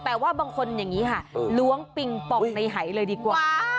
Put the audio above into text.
แต่ว่าบางคนอย่างนี้ค่ะล้วงปิงปองในหายเลยดีกว่า